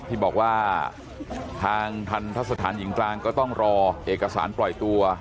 ที่บอกว่าทางทันทะสถานหญิงกลางก็ต้องรอเอกสารปล่อยตัว